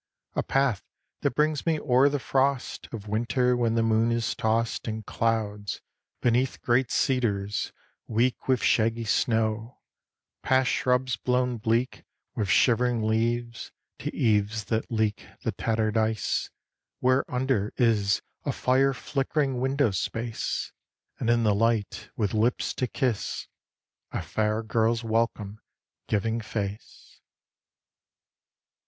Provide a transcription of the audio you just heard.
A path that brings me o'er the frost Of winter, when the moon is tossed In clouds; beneath great cedars, weak With shaggy snow; past shrubs blown bleak With shivering leaves; to eaves that leak The tattered ice, whereunder is A fire flickering window space; And in the light, with lips to kiss, A fair girl's welcome giving face.